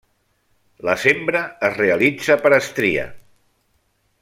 La sembra es realitza per estria.